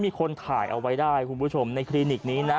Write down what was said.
มีคนถ่ายเอาไว้ได้คุณผู้ชมในคลินิกนี้นะ